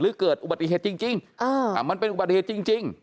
เกิดอุบัติเหตุจริงมันเป็นอุบัติเหตุจริง